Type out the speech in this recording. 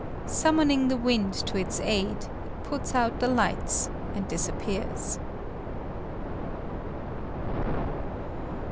Summoning the winds to its aid, it puts out the lights, and disappears.